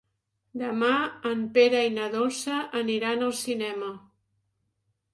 Demà en Pere i na Dolça aniran al cinema.